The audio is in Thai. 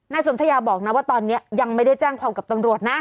สนทยาบอกนะว่าตอนนี้ยังไม่ได้แจ้งความกับตำรวจนะ